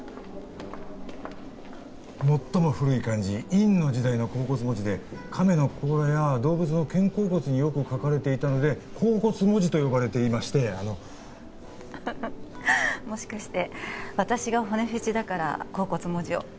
最も古い漢字殷の時代の甲骨文字で亀の甲羅や動物の肩甲骨によく書かれていたので甲骨文字と呼ばれていましてあのもしかして私が骨フェチだから甲骨文字を？